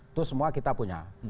itu semua kita punya